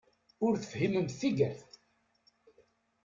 Ur tefhimemt tigert!